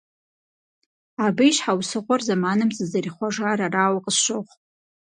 Абы и щхьэусыгъуэр зэманым зэрызихъуэжар арауэ къысщохъу.